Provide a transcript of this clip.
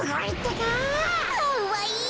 かわいい。